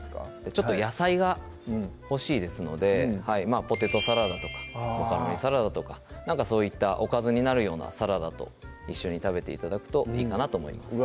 ちょっと野菜が欲しいですのでポテトサラダとかマカロニサラダとかなんかそういったおかずになるようなサラダと一緒に食べて頂くといいかなと思います